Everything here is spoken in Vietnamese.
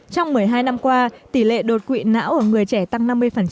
trong một mươi hai năm qua tỷ lệ đột quỵ não ở người trẻ tăng năm mươi